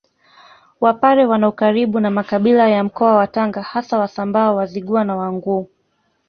Wapare wana ukaribu na makabila ya Mkoa wa Tanga hasa Wasambaa Wazigua na Wanguu